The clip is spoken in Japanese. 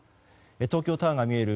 東京タワーが見える